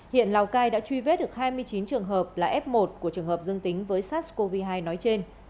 hiện lào cai đã truy vết được hai mươi chín trường hợp là f một của trường hợp dương tính với sars cov hai nói trên